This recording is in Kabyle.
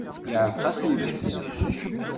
Yeɛreq-asen leḥsab.